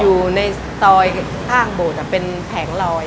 อยู่ในซอยข้างโบสถ์เป็นแผงลอย